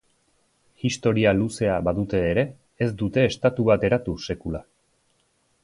Historia luzea badute ere ez dute estatu bat eratu sekula.